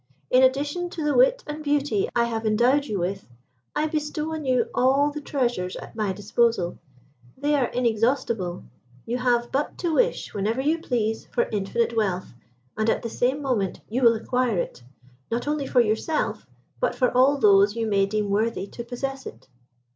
In addition to the wit and beauty I have endowed you with, I bestow on you all the treasures at my disposal. They are inexhaustible. You have but to wish whenever you please for infinite wealth, and at the same moment you will acquire it, not only for yourself, but for all those you may deem worthy to possess it."